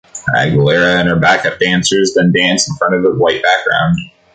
Aguilera and her backup dancers then dance in front of a white background.